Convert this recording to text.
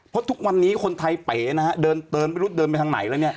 เพราะทุกวันนี้คนไทยเป๋นะฮะเดินไม่รู้เดินไปทางไหนแล้วเนี่ย